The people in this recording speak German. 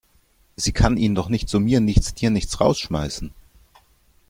Sie kann ihn doch nicht so mir nichts, dir nichts rausschmeißen!